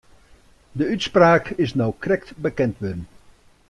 De útspraak is no krekt bekend wurden.